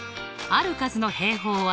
ある数を。